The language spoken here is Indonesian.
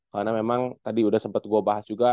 karena memang tadi udah sempet gue bahas juga